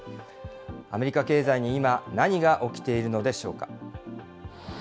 アメリカ経済に今、何が起きているのでしょうか。